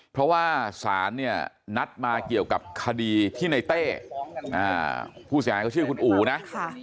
เพราะว่าศาลเนี่ยนัดมาเกี่ยวกับคดีที่ในเต้ผู้เสียหายเขาชื่อคุณอู๋นะ